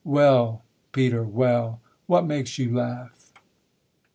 _ Well, Peter! well! What makes you laugh?